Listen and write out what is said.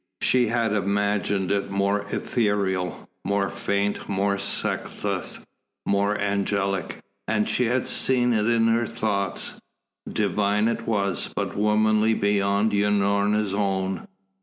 She had imagined it more ethereal, more faint, more sexless, more angelic, as she had seen it in her thoughts. Divine it was, but womanly beyond Unorna's own.